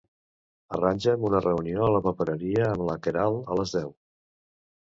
Arranja'm una reunió a la papereria amb la Queralt a les deu.